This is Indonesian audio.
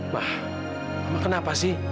ma mama kenapa sih